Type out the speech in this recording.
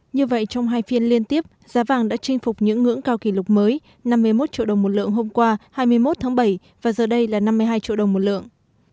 như vậy trong hai phiên liên tiếp giá vàng đã chinh phục những ngưỡng cao kỷ lục mới năm mươi một triệu đồng một lượng hôm qua hai mươi một tháng bảy và giờ đây là năm mươi hai triệu đồng một lượng